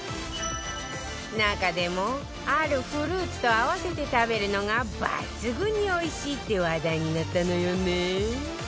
中でもあるフルーツと合わせて食べるのが抜群に美味しいって話題になったのよね